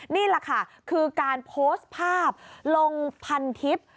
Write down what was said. นี่แหละค่ะคือการโพสต์ภาพลงพันทิพย์